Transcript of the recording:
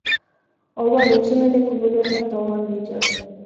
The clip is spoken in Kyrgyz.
Ооба, бул чын эле күбөлөр тартып алган видео.